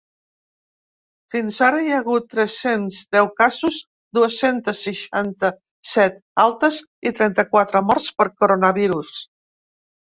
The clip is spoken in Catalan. Fins ara, hi ha hagut tres-cents deu casos, dues-centes seixanta-set altes i trenta-quatre morts per coronavirus.